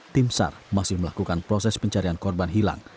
tim sar masih melakukan proses pencarian korban hilang